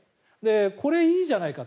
これ、いいじゃないかと。